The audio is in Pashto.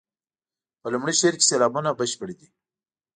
په لومړي شعر کې سېلابونه بشپړ دي.